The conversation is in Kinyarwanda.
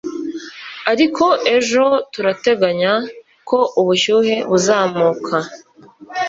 ariko ejo turateganya ko ubushyuhe buzamuka